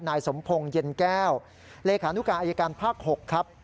นายสมพงศ์เย็นแก้วเลขานุการอายการภาค๖ครับ